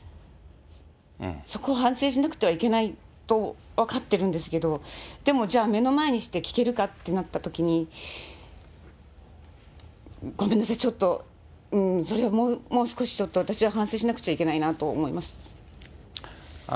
そこを反省しなくてはいけないと分かってるんですけど、でも、じゃあ、目の前にして聞けるかってなったときに、ごめんなさい、ちょっとそれはもう少し、ちょっと、私は反省しなくちゃいけないなと思います。